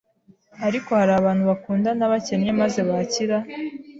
ariko hari abantu bakundana bakennye maze bakira,